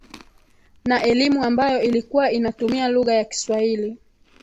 na elimu ambayo ilikuwa inatumia lugha ya Kiswahili